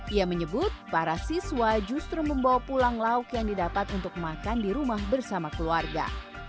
ia menyebut para siswa justru membawa pulang lauk yang didapat untuk makan di rumah bersama keluarga